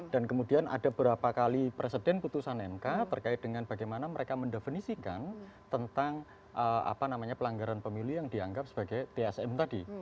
dan kemudian ada beberapa kali presiden putusan mk terkait dengan bagaimana mereka mendefinisikan tentang pelanggaran pemilih yang dianggap sebagai tsm tadi